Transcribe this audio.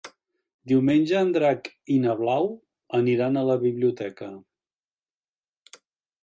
Diumenge en Drac i na Blau aniran a la biblioteca.